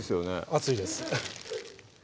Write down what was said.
熱いです